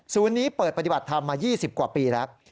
นี้เปิดปฏิบัติธรรมมา๒๐กว่าปีแล้ว